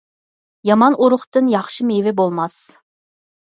يامان ئۇرۇقتىن ياخشى مېۋە بولماس.